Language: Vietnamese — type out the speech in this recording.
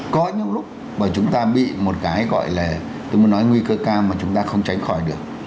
có những lúc mà chúng ta bị một cái gọi là tôi muốn nói nguy cơ cao mà chúng ta không tránh khỏi được